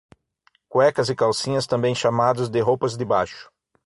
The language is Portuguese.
Cuecas e calcinhas, também chamados de roupas de baixo